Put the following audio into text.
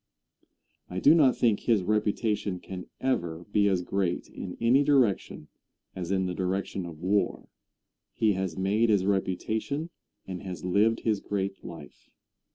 I do not think his reputation can ever be as great in any direction as in the direction of war. He has made his reputation and has lived his great life.